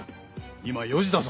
今４時だぞ！